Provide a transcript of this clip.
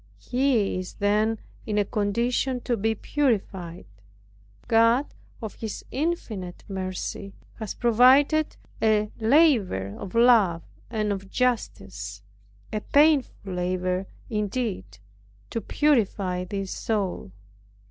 He is then in a condition to be purified. God of his infinite mercy has provided a laver of love and of justice, a painful laver indeed, to purify this soul.